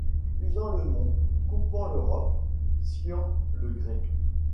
Usant le mont, coupant le roc, sciant le grès